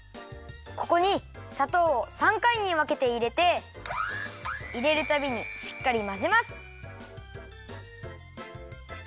ここにさとうを３かいにわけていれていれるたびにしっかりまぜます！